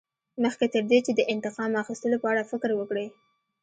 مخکې تر دې چې د انتقام اخیستلو په اړه فکر وکړې.